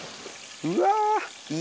うわ。